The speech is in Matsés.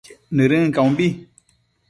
Nëdën caumbi